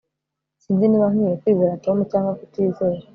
Sinzi niba nkwiye kwizera Tom cyangwa kutizera